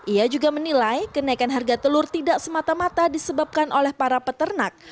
ia juga menilai kenaikan harga telur tidak semata mata disebabkan oleh para peternak